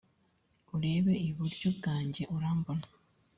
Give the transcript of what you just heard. urebe iburyo bwanjye urambona.